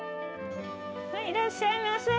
いらっしゃいませ。